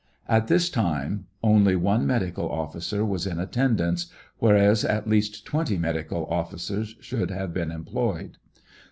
At this time only one medical officer was in attendance, whereas at least twenty medical officers should have been employed.